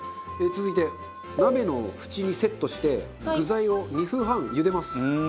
続いて鍋の縁にセットして具材を２分半茹でます。